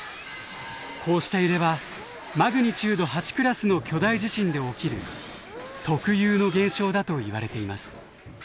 こうした揺れはマグニチュード８クラスの巨大地震で起きる特有の現象だといわれています。